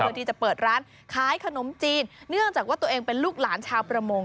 ที่จะเปิดร้านขายขนมจีนเนื่องจากว่าตัวเองเป็นลูกหลานชาวประมง